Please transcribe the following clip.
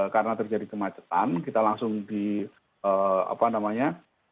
karena terjadi kemacetan kita langsung di apa namanya